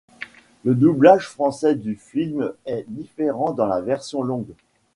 Le doublage français du film est différent dans la version longue.